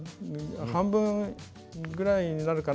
半分くらいになるかな